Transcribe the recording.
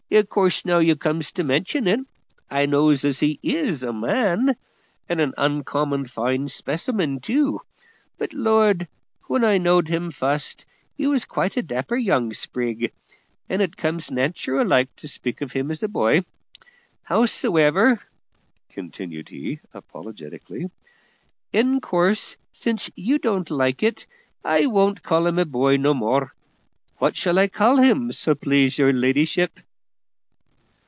In course, now you comes to mention it, I knows as he is a man, and an uncommon fine speciment too; but, Lord, when I knowed him fust he was quite a dapper young sprig; and it comes nat'ral like to speak of him as a boy. Hows'ever," continued he apologetically, "in course, since you don't like it, I won't call him a boy no more. What shall I call him, so please your ladyship?"